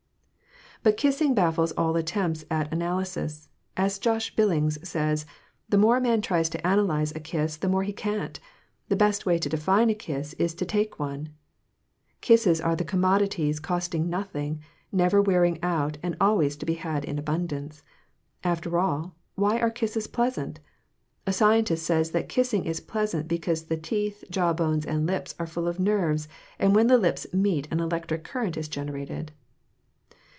But kissing baffles all attempts at analysis; as Josh Billings says "the more a man tries to analize a kiss, the more he can't; the best way to define a kiss is to take one." Kisses are commodities costing nothing, never wearing out, and always to be had in abundance. After all, why are kisses pleasant? A scientist says that kissing is pleasant because the teeth, jawbones and lips are full of nerves, and when the lips meet an electric current is generated.